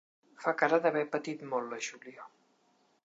Fa cara d'haver patit molt, la Júlia.